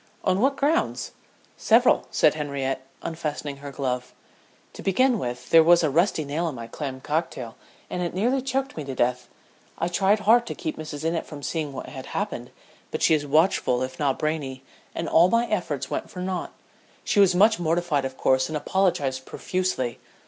"On what grounds?" "Several," said Henriette, unfastening her glove. "To begin with, there was a rusty nail in my clam cocktail, and it nearly choked me to death. I tried hard to keep Mrs. Innitt from seeing what had happened, but she is watchful if not brainy, and all my efforts went for naught. She was much mortified of course and apologized profusely.